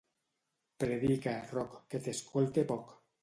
Predica, Roc, que t'escolte poc.